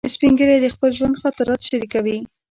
سپین ږیری د خپل ژوند خاطرات شریکوي